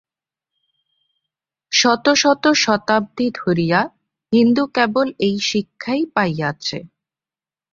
শত শত শতাব্দী ধরিয়া হিন্দু কেবল এই শিক্ষাই পাইয়াছে।